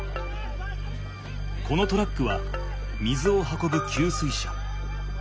このトラックは水を運ぶ給水車。